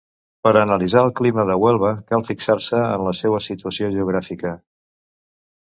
Per a analitzar el clima de Huelva cal fixar-se en la seua situació geogràfica.